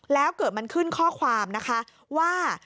แล้วเกิดมันขึ้นข้อความนะคะว่า